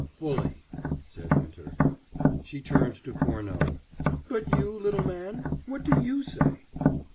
"Fully," said Winter. She turned to Furneaux. "But you, little man, what do you say?"